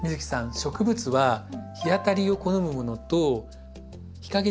植物は日当たりを好むものと日陰でも育つもの